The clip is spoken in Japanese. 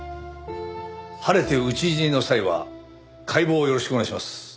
晴れて討ち死にの際は解剖をよろしくお願いします。